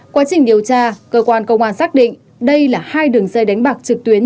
quá trình điều tra cơ quan công an xác định đây là hai đường dây đánh bạc trực tuyến